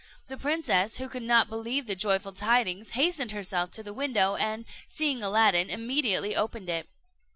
The princess, who could not believe the joyful tidings, hastened herself to the window, and seeing Aladdin, immediately opened it.